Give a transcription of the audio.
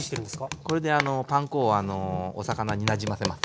これでパン粉をお魚になじませます。